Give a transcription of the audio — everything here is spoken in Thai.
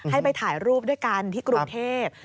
ให้ไปถ่ายรูปด้วยกันที่กรุงเทพ